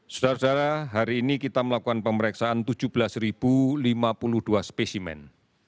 saudara saudara hari ini kita melakukan pemeriksaan tujuh belas lima puluh dua spesimen